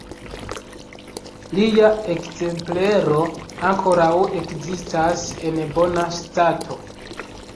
Lia ekzemplero ankoraŭ ekzistas en bona stato.